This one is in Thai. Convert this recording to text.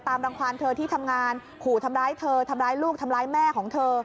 รังความเธอที่ทำงานขู่ทำร้ายเธอทำร้ายลูกทำร้ายแม่ของเธอ